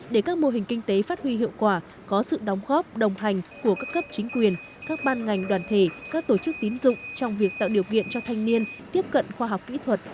để các mô hình kinh tế phát huy hiệu quả có sự đóng góp đồng hành của các cấp chính quyền các ban ngành đoàn thể các tổ chức tín dụng trong việc tạo điều kiện cho thanh niên tiếp cận khoa học kỹ thuật